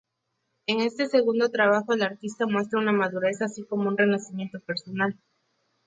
En este segundo trabajo el artista muestra una madurez, así como un renacimiento personal.